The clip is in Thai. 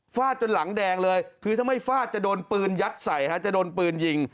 จนหลังแดงเลยคือถ้าไม่ฟาดจะโดนปืนยัดใส่จะโดนปืนยิง